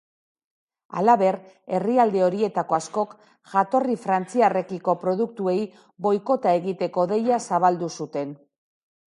Halaber, herrialde horietako askok jatorri frantziarrekiko produktuei boikota egiteko deia zabaldu zuten.